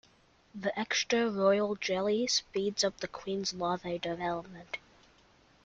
The extra royal jelly speeds up the queen larvae development.